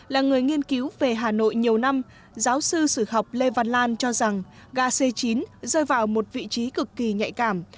là người nghiên cứu về hà nội nhiều năm giáo sư sử học lê văn lan cho rằng ga c chín rơi vào một vị trí cực kỳ nhạy cảm